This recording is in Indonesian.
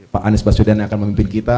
pak anies baswedan yang akan memimpin kita